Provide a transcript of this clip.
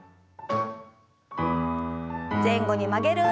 前後に曲げる運動です。